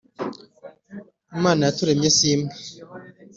Imana yaturemye si imwe?